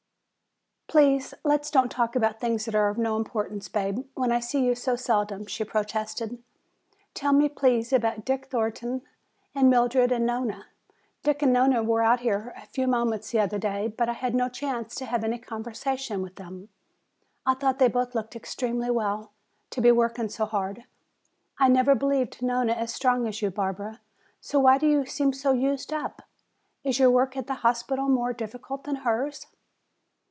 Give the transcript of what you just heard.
"Please let's don't talk about things that are of no importance, Bab, when I see you so seldom," she protested. "Tell me, please, about Dick Thornton and Mildred and Nona. Dick and Nona were out here a few moments the other day, but I had no chance to have any conversation with them. I thought they both looked extraordinarily well to be working so hard. I never believed Nona as strong as you, Barbara, so why do you seem so used up? Is your work at the hospital more difficult than hers?"